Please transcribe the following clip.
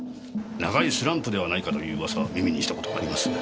長いスランプではないかという噂耳にした事があります。